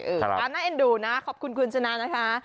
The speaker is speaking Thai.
น่าเอ็นดูนะขอบคุณคุณชนะนะคะ